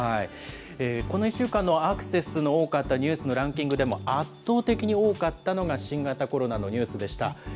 この１週間のアクセスの多かったニュースのランキングでも、圧倒的に多かったのが新型コロナのニュースでした。